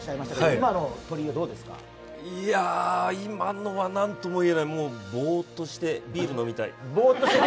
今のは、なんともいえないぼーっとして、ビール飲みたい。